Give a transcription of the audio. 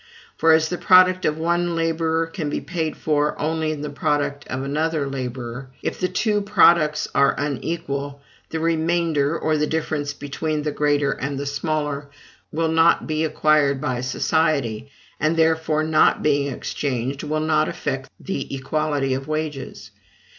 For, as the product of one laborer can be paid for only in the product of another laborer, if the two products are unequal, the remainder or the difference between the greater and the smaller will not be acquired by society; and, therefore, not being exchanged, will not affect the equality of wages.